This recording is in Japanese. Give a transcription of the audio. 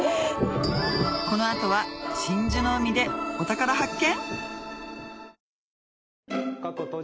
この後は真珠の海でお宝発見？